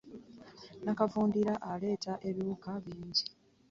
Nnakavundira aleeta ebiwuka bingi.